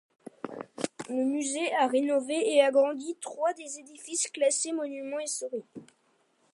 Le musée a rénové et agrandi trois des édifices classés monuments historiques.